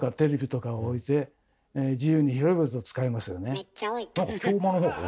めっちゃ置いた。